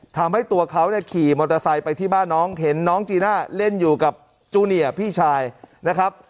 ทำให้ตัวเขาเนี่ยขี่มอเตอร์ไซค์ไปที่บ้านน้องเห็นน้องจีน่าเล่นอยู่กับจูเนียร์พี่ชายนะครับ